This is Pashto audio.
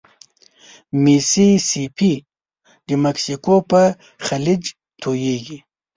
ميسي سي پي د مکسیکو په خلیج توییږي.